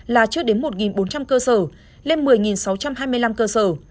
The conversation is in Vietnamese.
là chưa đến một bốn trăm linh cơ sở lên một mươi sáu trăm hai mươi năm cơ sở